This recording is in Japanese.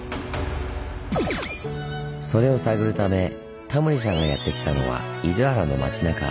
それを探るためタモリさんがやって来たのは厳原の町なか。